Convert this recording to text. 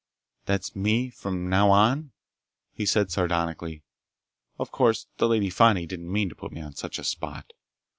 "That's me from now on?" he said sardonically. "Of course the Lady Fani didn't mean to put me on such a spot!"